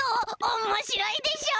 おもしろいでしょ！？